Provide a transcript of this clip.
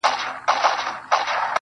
اې د قوتي زلفو مېرمني در نه ځمه سهار.